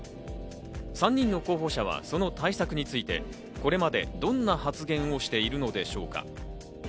３人の候補者はその対策についてこれまでどんな発言をしているのでしょうか。